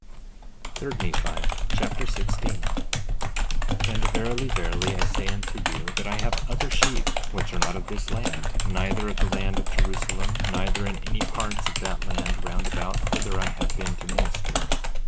3 Nephi Chapter 16 16:1 And verily, verily, I say unto you that I have other sheep which are not of this land, neither of the land of Jerusalem, neither in any parts of that land round about whither I have been to minister.